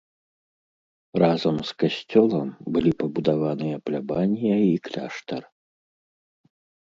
Разам з касцёлам былі пабудаваныя плябанія і кляштар.